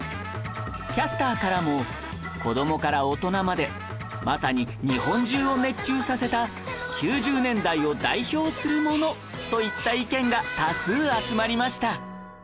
キャスターからも「子どもから大人までまさに日本中を熱中させた９０年代を代表するもの」といった意見が多数集まりました